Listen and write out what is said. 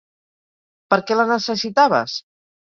Per què la necessitaves?